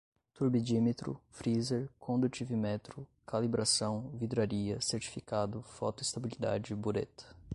turbidímetro, freezer, condutivimetro, calibração, vidraria, certificado, fotoestabilidade, bureta